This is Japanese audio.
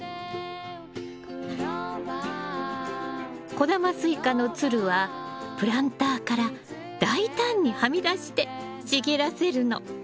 小玉スイカのつるはプランターから大胆にはみ出して茂らせるの。